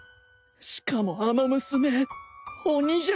しかもあの娘鬼じゃないか！